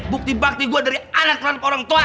bukti bakti gue dari anak anak orang tua